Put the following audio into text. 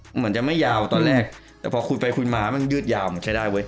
เหมือนจะไม่ยาวตอนแรกแต่พอคุยไปคุยมามันยืดยาวมันใช้ได้เว้ย